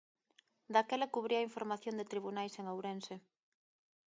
Daquela cubría información de tribunais en Ourense.